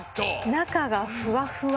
なかがふわふわ？